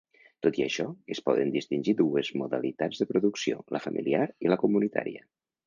Tot i això, es poden distingir dues modalitats de producció: la familiar i la comunitària.